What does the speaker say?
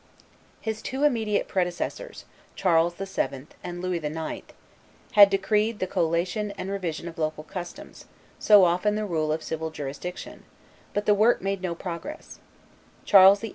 His two immediate predecessors, Charles VII. and Louis IX., had decreed the collation and revision of local customs, so often the rule of civil jurisdiction; but the work made no progress: Charles VIII.